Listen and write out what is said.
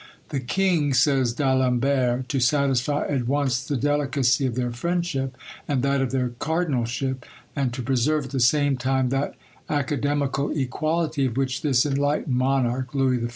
"The king," says D'Alembert, "to satisfy at once the delicacy of their friendship, and that of their cardinalship, and to preserve at the same time that academical equality, of which this enlightened monarch (Louis XIV.)